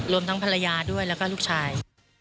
รวมทั้งภรรยาด้วยแล้วก็ลูกชาย